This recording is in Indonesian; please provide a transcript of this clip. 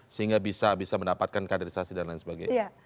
sehingga bisa mendapatkan kaderisasi dan lain sebagainya